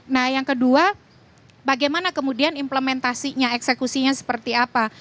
nah yang kedua bagaimana kemudian implementasinya eksekusinya seperti apa